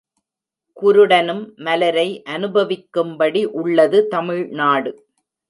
குருடனும் மலரை அநுபவிக்கும்படி உள்ளது தமிழ்நாடு.